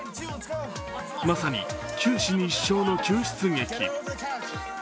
まさに九死に一生の救出劇。